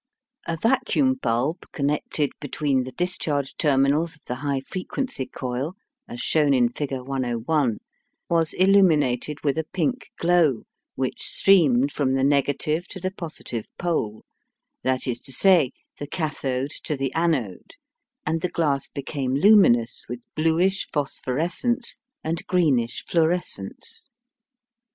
A vacuum bulb connected between the discharge terminals of the high frequency coil, as shown in figure 101, was illuminated with a pink glow, which streamed from the negative to the positive pole that is to say, the cathode to the anode, and the glass became luminous with bluish phosphorescence and greenish fluorescence.